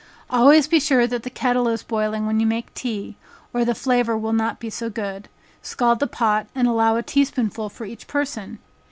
Always be sure that the kettle is boiling when you make tea, or the flavor will not be so good, scald the pot, and allow a tea spoonful for each person.